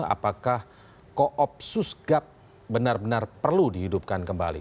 apakah koopsus gap benar benar perlu dihidupkan kembali